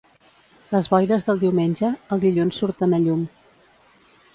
Les boires del diumenge, el dilluns surten a llum.